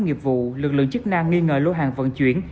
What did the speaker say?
nghiệp vụ lực lượng chức năng nghi ngờ lô hàng vận chuyển